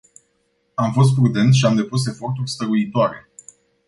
Am fost prudent și am depus eforturi stăruitoare.